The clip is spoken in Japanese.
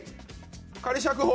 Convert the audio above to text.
仮釈放！